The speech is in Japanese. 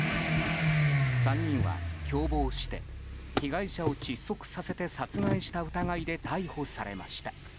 ３人は共謀して、被害者を窒息させて殺害した疑いで逮捕されました。